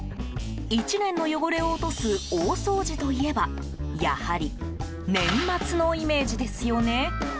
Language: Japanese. １年の汚れを落とす大掃除といえばやはり年末のイメージですよね。